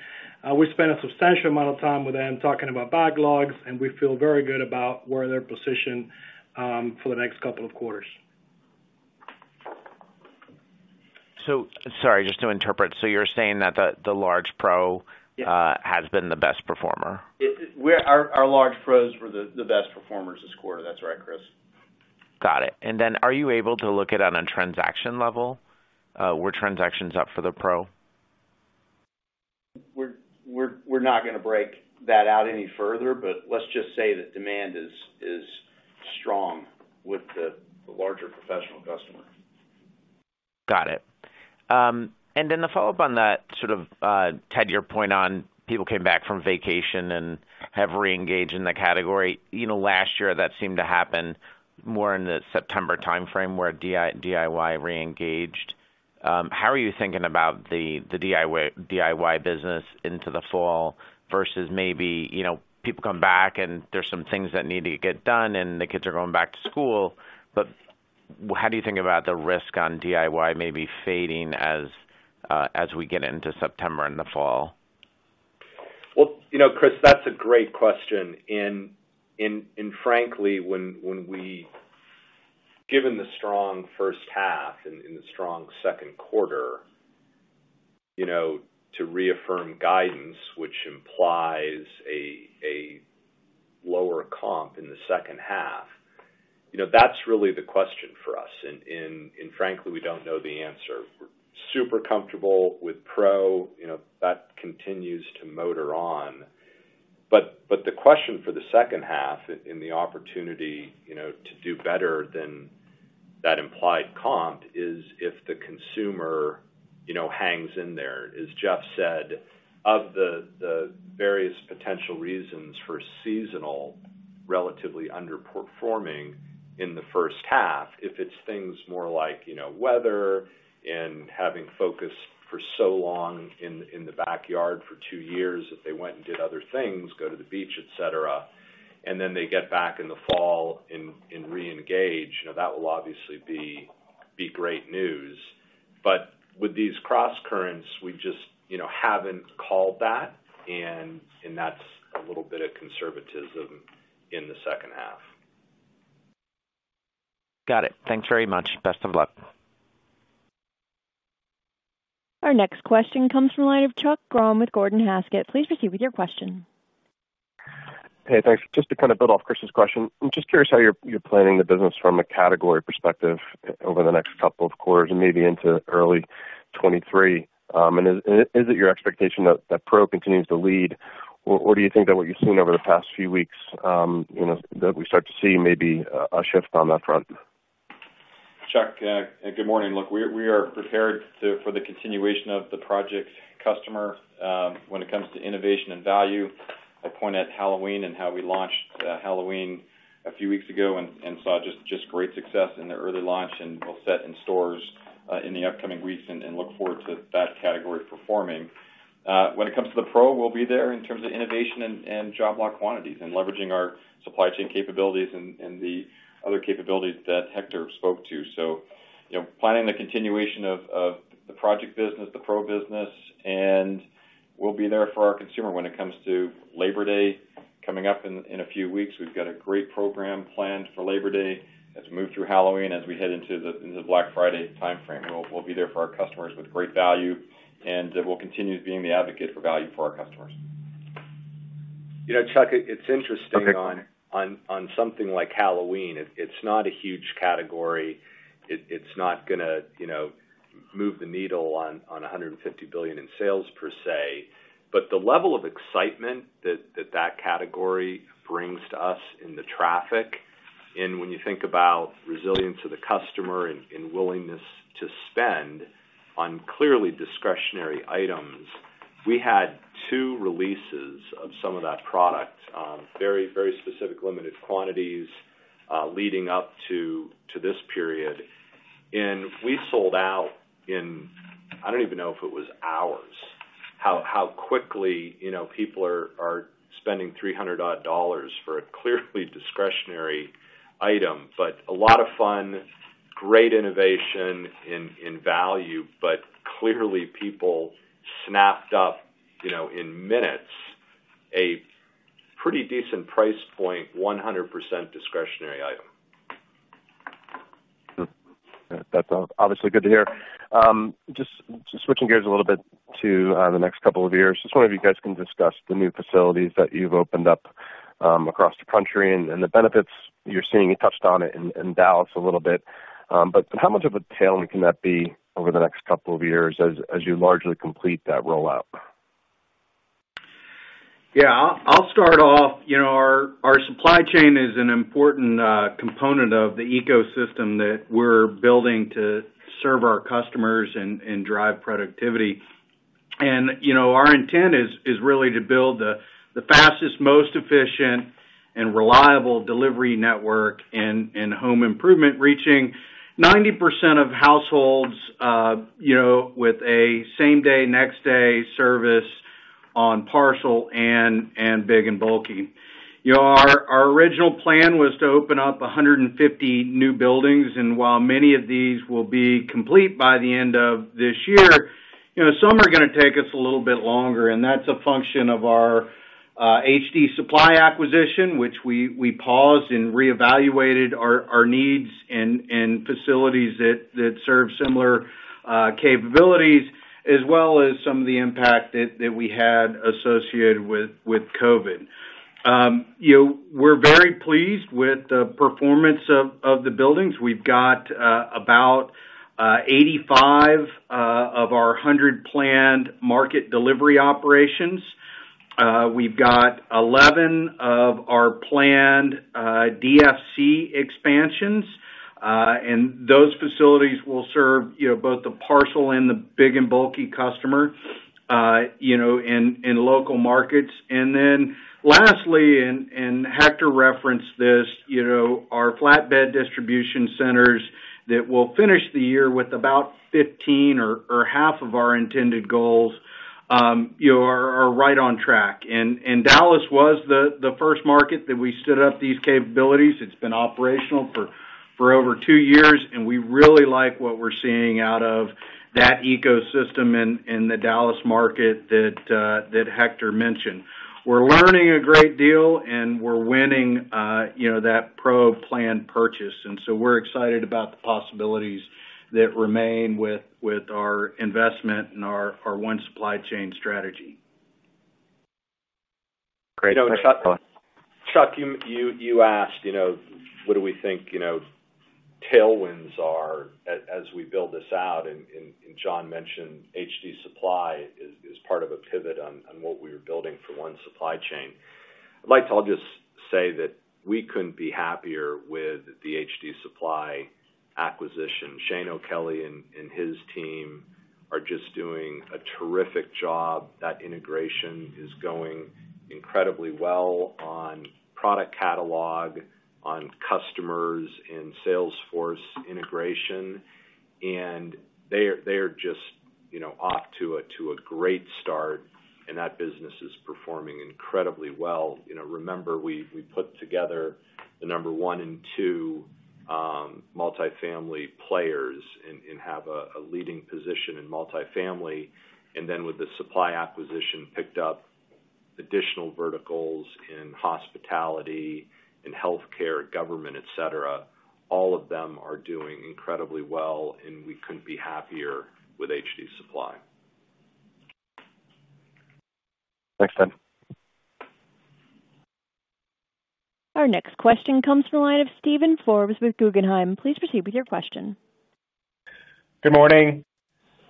We spent a substantial amount of time with them talking about backlogs, and we feel very good about where they're positioned for the next couple of quarters. Sorry, just to interpret. You're saying that the large Pro has been the best performer? Our large Pros were the best performers this quarter. That's right, Chris. Got it. Are you able to look at it on a transaction level? Were transactions up for the Pro? We're not gonna break that out any further, but let's just say that demand is strong with the larger professional customer. Got it. And then the follow-up on that sort of, Ted, your point on people came back from vacation and have re-engaged in the category. You know, last year, that seemed to happen more in the September timeframe where DIY re-engaged. How are you thinking about the DIY business into the fall versus maybe, you know, people come back and there's some things that need to get done and the kids are going back to school. How do you think about the risk on DIY maybe fading as we get into September in the fall? Well, you know, Chris, that's a great question. Frankly, given the strong H1 and the strong Q2, you know, to reaffirm guidance, which implies a lower comp in the H2, you know, that's really the question for us. Frankly, we don't know the answer. We're super comfortable with Pro, you know, that continues to motor on. The question for the H2 and the opportunity, you know, to do better than that implied comp is if the consumer, you know, hangs in there. As Jeff said, of the various potential reasons for seasonal relatively underperforming in the H1, if it's things more like, you know, weather and having focus for so long in the backyard for two years, if they went and did other things, go to the beach, et cetera, and then they get back in the fall and re-engage, you know, that will obviously be great news. With these crosscurrents, we just, you know, haven't called that and that's a little bit of conservatism in the H2. Got it. Thanks very much. Best of luck. Our next question comes from the line of Chuck Grom with Gordon Haskett. Please proceed with your question. Hey, thanks. Just to build off Chris's question, I'm just curious how you're planning the business from a category perspective over the next couple of quarters and maybe into early 2023. Is it your expectation that Pro continues to lead, or do you think that what you've seen over the past few weeks, you know, that we start to see maybe a shift on that front? Chuck, good morning. Look, we are prepared for the continuation of the Pro customer when it comes to innovation and value. I point to Halloween and how we launched Halloween a few weeks ago and saw just great success in the early launch, and we'll set in stores in the upcoming weeks and look forward to that category performing. When it comes to the Pro, we'll be there in terms of innovation and job lot quantities and leveraging our supply chain capabilities and the other capabilities that Hector spoke to. You know, planning the continuation of the project business, the Pro business, and we'll be there for our consumer when it comes to Labor Day coming up in a few weeks. We've got a great program planned for Labor Day. As we move through Halloween, as we head into the Black Friday timeframe, we'll be there for our customers with great value, and we'll continue being the advocate for value for our customers. You know, Chuck, it's interesting. Okay. On something like Halloween. It's not a huge category. It's not gonna, you know, move the needle on $150 billion in sales per se. The level of excitement that category brings to us in the traffic, and when you think about resilience of the customer and willingness to spend on clearly discretionary items. We had two releases of some of that product, very specific, limited quantities, leading up to this period. We sold out. I don't even know if it was hours, how quickly, you know, people are spending $300 for a clearly discretionary item. A lot of fun, great innovation in value, but clearly people snapped up, you know, in minutes, a pretty decent price point, 100% discretionary item. That's obviously good to hear. Just switching gears a little bit to the next couple of years. Just wondering if you guys can discuss the new facilities that you've opened up across the country and the benefits you're seeing. You touched on it in Dallas a little bit, but how much of a tailwind can that be over the next couple of years as you largely complete that rollout? Yeah. I'll start off. You know, our supply chain is an important component of the ecosystem that we're building to serve our customers and drive productivity. Our intent is really to build the fastest, most efficient and reliable delivery network in home improvement, reaching 90% of households with a same-day, next-day service on parcel and big and bulky. You know, our original plan was to open up 150 new buildings, and while many of these will be complete by the end of this year, you know, some are gonna take us a little bit longer, and that's a function of our HD Supply acquisition, which we paused and re-evaluated our needs and facilities that serve similar capabilities, as well as some of the impact that we had associated with COVID. You know, we're very pleased with the performance of the buildings. We've got about 85 of our 100 planned market delivery operations. We've got 11 of our planned DFC expansions, and those facilities will serve, you know, both the parcel and the big and bulky customer, you know, in local markets. Lastly, Hector referenced this, you know, our flatbed distribution centers that will finish the year with about 15 or half of our intended goals, you know, are right on track. Dallas was the first market that we stood up these capabilities. It's been operational for over two years, and we really like what we're seeing out of that ecosystem in the Dallas market that Hector mentioned. We're learning a great deal, and we're winning that Pro plan purchase, and so we're excited about the possibilities that remain with our investment and our One Supply Chain strategy. Great. Chuck, you asked, you know, what do we think, you know, tailwinds are as we build this out, and John mentioned HD Supply as part of a pivot on what we were building for One Supply Chain. I'll just say that we couldn't be happier with the HD Supply acquisition. Shane O'Kelly and his team are just doing a terrific job. That integration is going incredibly well on product catalogue, on customers, in sales force integration, and they are just- You know, off to a great start, and that business is performing incredibly well. You know, remember, we put together the number one and two multifamily players and have a leading position in multifamily. With the supply acquisition, picked up additional verticals in hospitality and healthcare, government, et cetera. All of them are doing incredibly well, and we couldn't be happier with HD Supply. Thanks, Ted. Our next question comes from the line of Steven Forbes with Guggenheim. Please proceed with your question. Good morning.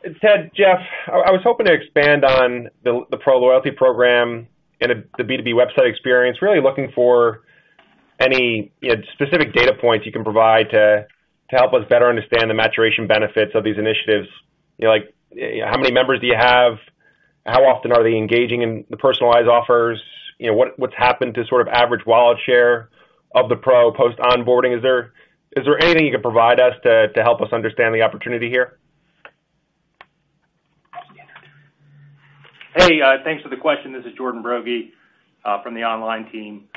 Ted, Jeff, I was hoping to expand on the Pro Loyalty Program and the B2B website experience, really looking for any, you know, specific data points you can provide to help us better understand the maturation benefits of these initiatives. You know, like, how many members do you have? How often are they engaging in the personalized offers? You know, what's happened to sort of average wallet share of the pro-post onboarding? Is there anything you can provide us to help us understand the opportunity here? Hey, thanks for the question. This is Jordan Broggi from the online team.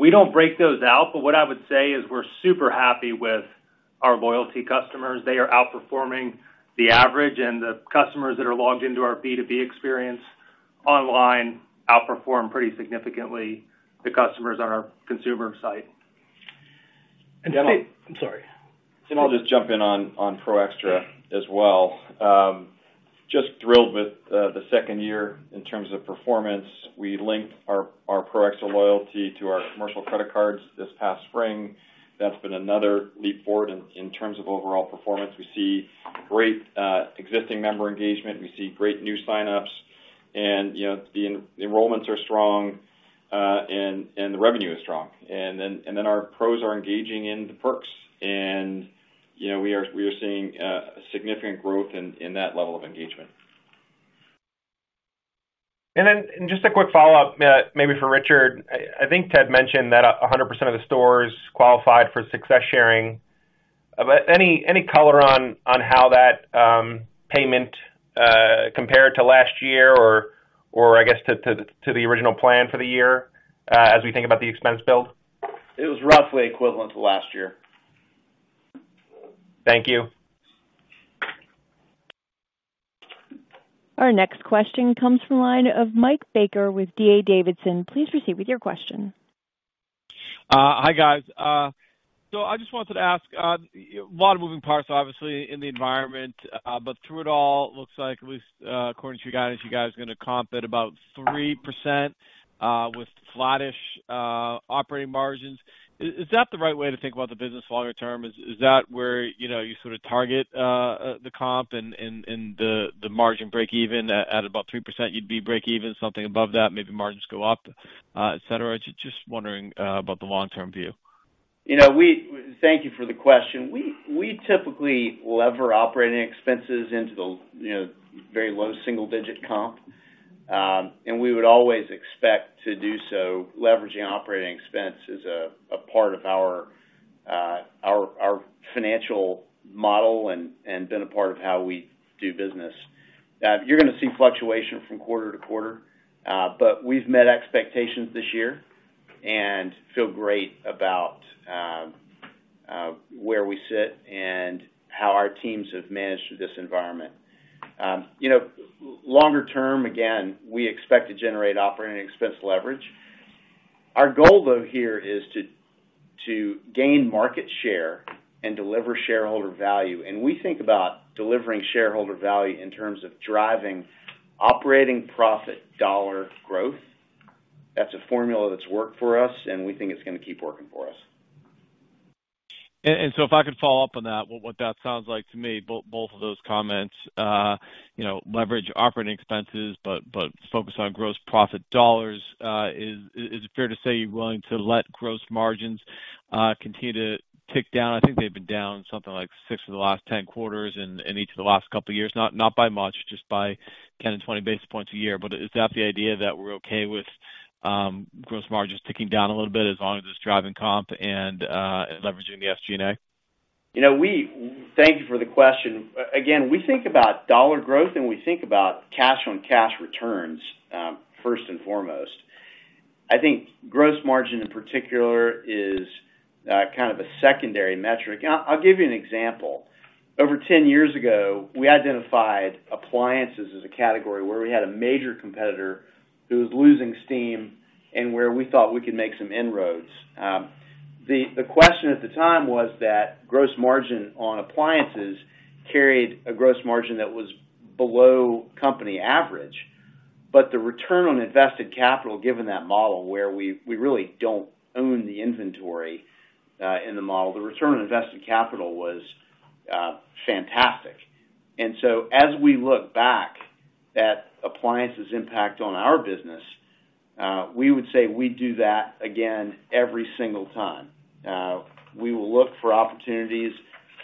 We don't break those out, but what I would say is we're super happy with our loyalty customers. They are outperforming the average, and the customers that are logged into our B2B experience online outperform pretty significantly the customers on our consumer site. Sorry. I'll just jump in on Pro Xtra as well. Just thrilled with the second year in terms of performance. We linked our Pro Xtra loyalty to our commercial credit cards this past spring. That's been another leap forward in terms of overall performance. We see great existing member engagement. We see great new sign-ups. You know, the enrolments are strong, and the revenue is strong. Our Pros are engaging in the perks. You know, we are seeing significant growth in that level of engagement. Just a quick follow-up, maybe for Richard. I think Ted mentioned that 100% of the stores qualified for success sharing. Any color on how that payment compared to last year or, I guess, to the original plan for the year, as we think about the expense build? It was roughly equivalent to last year. Thank you. Our next question comes from the line of Michael Baker with D.A. Davidson. Please proceed with your question. Hi, guys. I just wanted to ask, lot of moving parts, obviously, in the environment, but through it all, looks like at least, according to you guys, you guys are gonna comp at about 3%, with flattish operating margins. Is that the right way to think about the business longer term? Is that where, you know, you sort of target the comp and the margin breakeven at about 3%, you'd be breakeven, something above that, maybe margins go up, et cetera? Just wondering about the long-term view. Thank you for the question. We typically lever operating expenses into the, you know, very low single-digit comp, and we would always expect to do so. Leveraging operating expense is a part of our financial model and been a part of how we do business. You're gonna see fluctuation from quarter to quarter, but we've met expectations this year and feel great about where we sit and how our teams have managed through this environment. You know, longer term, again, we expect to generate operating expense leverage. Our goal, though, here is to gain market share and deliver shareholder value. We think about delivering shareholder value in terms of driving operating profit dollar growth. That's a formula that's worked for us, and we think it's gonna keep working for us. If I could follow up on that, what that sounds like to me, both of those comments, you know, leverage operating expenses but focus on gross profit dollars. Is it fair to say you're willing to let gross margins continue to tick down? I think they've been down something like six of the last 10 quarters in each of the last couple of years, not by much, just by 10 and 20 basis points a year. Is that the idea that we're okay with gross margins ticking down a little bit as long as it's driving comp and leveraging the SG&A? Thank you for the question. Again, we think about dollar growth, and we think about cash-on-cash returns first and foremost. I think gross margin in particular is a secondary metric. I'll give you an example. Over 10 years ago, we identified appliances as a category where we had a major competitor who was losing steam and where we thought we could make some inroads. The question at the time was that gross margin on appliances carried a gross margin that was below company average. The return on invested capital, given that model where we really don't own the inventory in the model, the return on invested capital was fantastic. As we look back at appliances' impact on our business, we would say we'd do that again every single time. We will look for opportunities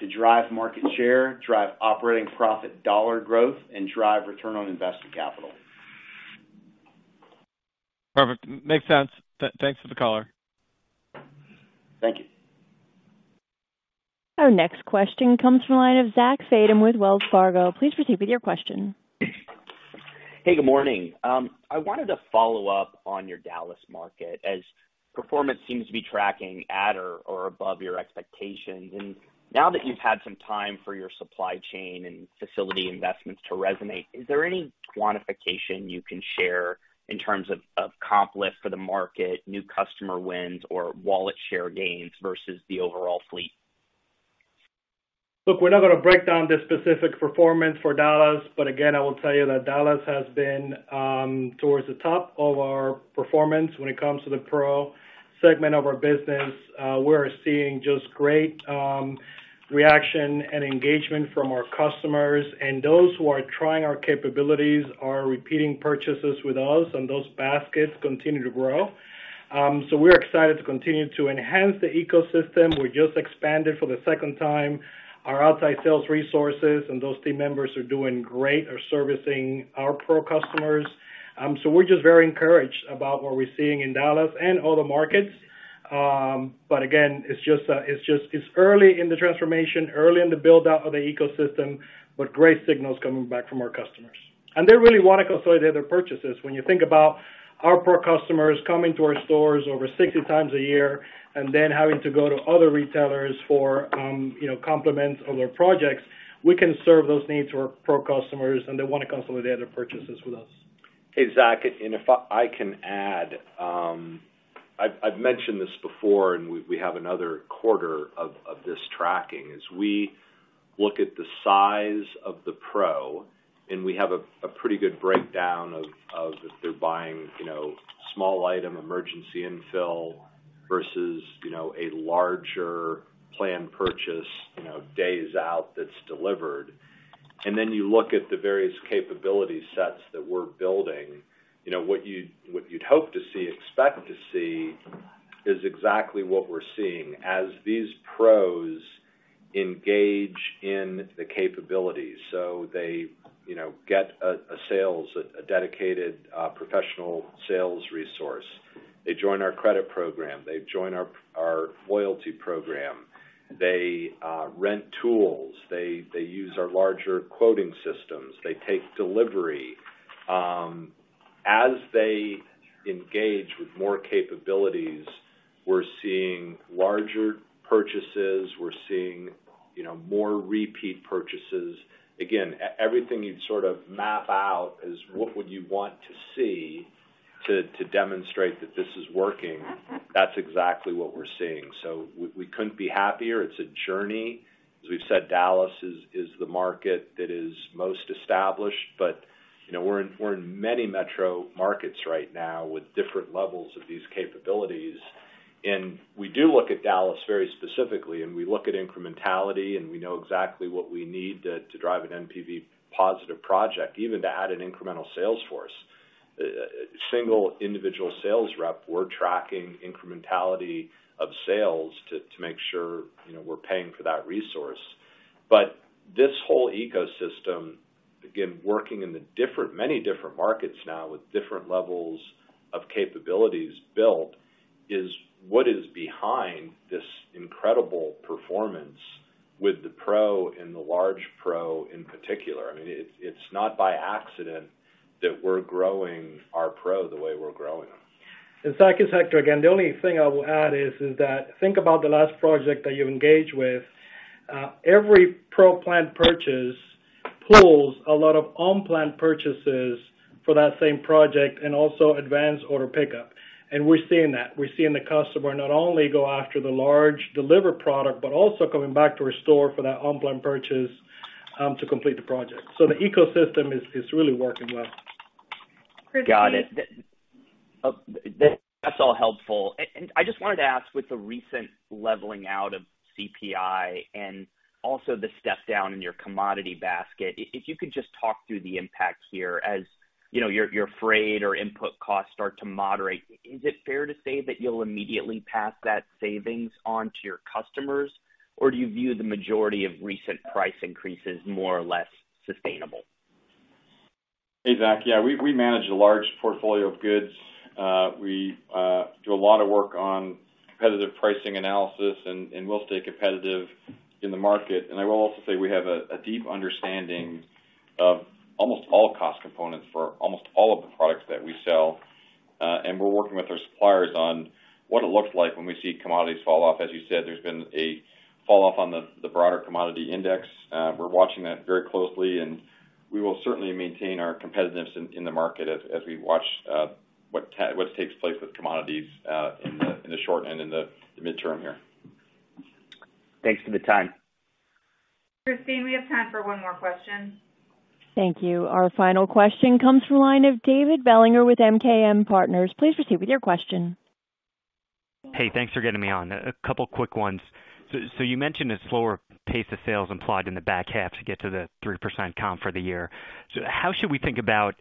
to drive market share, drive operating profit dollar growth, and drive return on invested capital. Perfect. Makes sense. Thanks to the caller. Thank you. Our next question comes from the line of Zachary Fadem with Wells Fargo. Please proceed with your question. Hey, good morning. I wanted to follow up on your Dallas market as performance seems to be tracking at or above your expectations. Now that you've had some time for your supply chain and facility investments to resonate, is there any quantification you can share in terms of comp lift for the market, new customer wins or wallet share gains versus the overall fleet? Look, we're not gonna break down the specific performance for Dallas, but again, I will tell you that Dallas has been towards the top of our performance when it comes to the Pro segment of our business. We're seeing just great reaction and engagement from our customers. Those who are trying our capabilities are repeating purchases with us, and those baskets continue to grow. We're excited to continue to enhance the ecosystem. We just expanded for the second time our outside sales resources, and those team members are doing great, are servicing our Pro customers. We're just very encouraged about what we're seeing in Dallas and other markets. Again, it's just early in the transformation, early in the build-out of the ecosystem, but great signals coming back from our customers. They really wanna consolidate their purchases. When you think about our Pro customers coming to our stores over 60x year and then having to go to other retailers for, you know, complements on their projects, we can serve those needs for Pro customers, and they wanna consolidate their purchases with us. Hey, Zach. If I can add, I've mentioned this before and we have another quarter of this tracking. As we look at the size of the Pro, and we have a pretty good breakdown of if they're buying, you know, small item emergency infill versus, you know, a larger planned purchase, you know, days out that's delivered. You look at the various capability sets that we're building. You know, what you'd hope to see, expect to see is exactly what we're seeing as these Pros engage in the capabilities. They, you know, get a dedicated professional sales resource. They join our credit program. They join our loyalty program. They rent tools. They use our larger quoting systems. They take delivery. As they engage with more capabilities, we're seeing larger purchases, we're seeing, you know, more repeat purchases. Again, everything you'd sort of map out is what would you want to see to demonstrate that this is working, that's exactly what we're seeing. We couldn't be happier. It's a journey. As we've said, Dallas is the market that is most established, but, you know, we're in many metro markets right now with different levels of these capabilities. We do look at Dallas very specifically, and we look at incrementality, and we know exactly what we need to drive an NPV positive project, even to add an incremental sales force. A single individual sales rep, we're tracking incrementality of sales to make sure, you know, we're paying for that resource. This whole ecosystem, again, working in the different, many different markets now with different levels of capabilities built, is what is behind this incredible performance with the Pro and the large Pro in particular. I mean, it's not by accident that we're growing our Pro the way we're growing them. Zach, it's Hector again. The only thing I will add is that think about the last project that you engaged with. Every Pro planned purchase pulls a lot of unplanned purchases for that same project and also advanced order pickup. We're seeing that. We're seeing the customer not only go after the large delivery product, but also coming back to our store for that unplanned purchase to complete the project. The ecosystem is really working well. Christine? Got it. That's all helpful. And I just wanted to ask, with the recent leveling out of CPI and also the step down in your commodity basket, if you could just talk through the impact here. As you know, your freight or input costs start to moderate, is it fair to say that you'll immediately pass that savings on to your customers? Or do you view the majority of recent price increases more or less sustainable? Hey, Zach. Yeah, we manage a large portfolio of goods. We do a lot of work on competitive pricing analysis and we'll stay competitive in the market. I will also say we have a deep understanding of almost all cost components for almost all of the products that we sell. We're working with our suppliers on what it looks like when we see commodities fall off. As you said, there's been a fall off on the broader commodity index. We're watching that very closely, and we will certainly maintain our competitiveness in the market as we watch what takes place with commodities in the short and in the midterm here. Thanks for the time. Christine, we have time for one more question. Thank you. Our final question comes from the line of David Bellinger with MKM Partners. Please proceed with your question. Hey, thanks for getting me on. A couple quick ones. You mentioned a slower pace of sales implied in the back half to get to the 3% comp for the year. How should we think about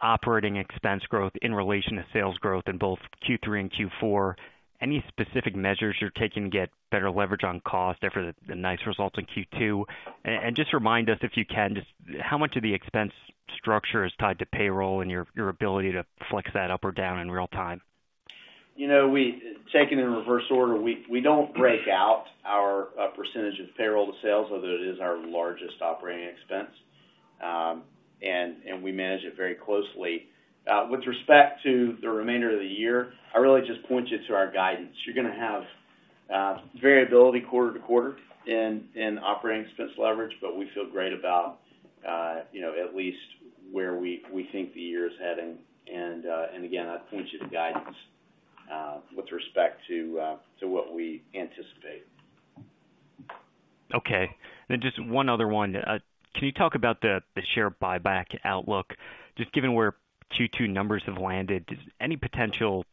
operating expense growth in relation to sales growth in both Q3 and Q4? Any specific measures you're taking to get better leverage on cost after the nice results in Q2? Just remind us, if you can, just how much of the expense structure is tied to payroll and your ability to flex that up or down in real time? You know, taking it in reverse order, we don't break out our percentage of payroll to sales, although it is our largest operating expense. We manage it very closely. With respect to the remainder of the year, I really just point you to our guidance. You're gonna have variability quarter to quarter in operating expense leverage, but we feel great about you know, at least where we think the year is heading. Again, I'd point you to the guidance with respect to what we anticipate. Okay. Just one other one. Can you talk about the share buyback outlook? Just given where Q2 numbers have landed, does any potential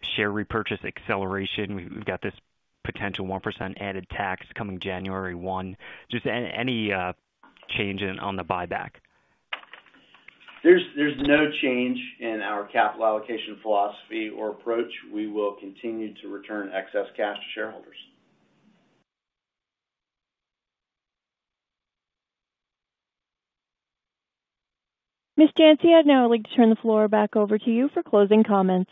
share repurchase acceleration, we've got this potential 1% added tax coming January 1. Just any change in the buyback? There's no change in our capital allocation philosophy or approach. We will continue to return excess cash to shareholders. Ms. Janci, I'd now like to turn the floor back over to you for closing comments.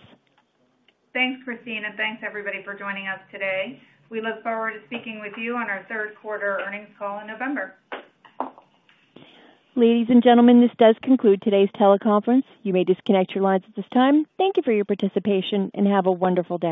Thanks, Christine, and thanks everybody for joining us today. We look forward to speaking with you on our Q3 earnings call in November. Ladies and gentlemen, this does conclude today's teleconference. You may disconnect your lines at this time. Thank you for your participation, and have a wonderful day.